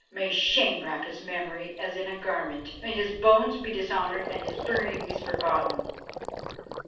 May shame wrap his memory as in a garment, may his bones be dishonoured and his burying place forgotten.